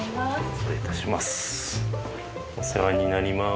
失礼いたします